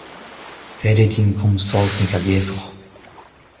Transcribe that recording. Ret eo din komz saozneg aliesoc'h.